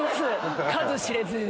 数知れず。